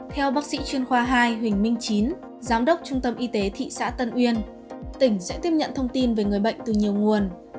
theo bác sĩ chuyên khoa hai huỳnh minh chín giám đốc trung tâm y tế thị xã tân uyên tỉnh sẽ tiếp nhận thông tin về người bệnh từ nhiều nguồn